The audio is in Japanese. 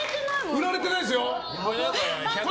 売られてないですよ。